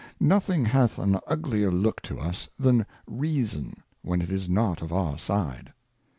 Nothing hath an uglier Look to us than Reason, when it is not of our side.